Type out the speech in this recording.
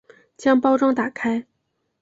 将包装打开